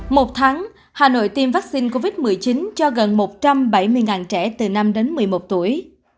một tháng hà nội tiêm vaccine covid một mươi chín cho gần một trăm bảy mươi trẻ từ năm đến một mươi một tuổi